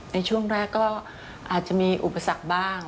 ในช่วงแรกก็อาจจะมีอุปสรรคบ้าง